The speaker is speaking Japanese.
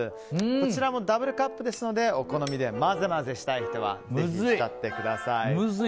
こちらもダブルカップですのでお好みで混ぜ混ぜしたい人はぜひ混ぜてください。